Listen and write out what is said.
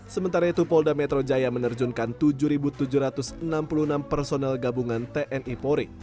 sementara itu polda metro jaya menerjunkan tujuh tujuh ratus enam puluh enam personel gabungan tni polri